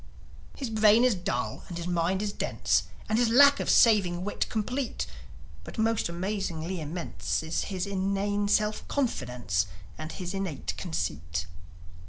His brain is dull, and his mind is dense, And his lack of saving wit complete; But most amazingly immense Is his inane self confidence And his innate conceit.